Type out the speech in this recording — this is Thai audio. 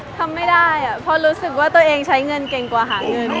ทำไม่ได้เพราะรู้สึกว่าตัวเองใช้เงินเก่งกว่าหาเงิน